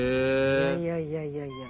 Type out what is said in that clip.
いやいやいやいやいや。